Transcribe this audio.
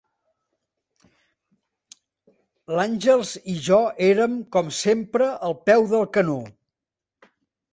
L'Àngels i jo érem, com sempre, al peu del canó.